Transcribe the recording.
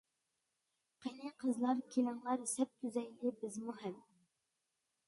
قېنى قىزلار كېلىڭلار، سەپ تۈزەيلى بىزمۇ ھەم.